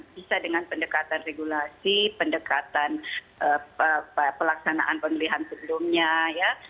bisa dengan pendekatan regulasi pendekatan pelaksanaan pemilihan sebelumnya ya